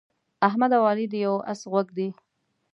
احمد او علي د یوه اس غوږ دي.